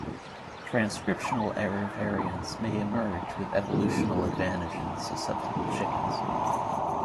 Transcriptional error variants may emerge with evolutional advantage in susceptible chickens.